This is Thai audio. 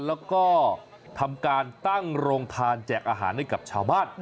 แล้วก็ทำการตั้งโรงทานแจกอาหารให้กับชาวบ้าน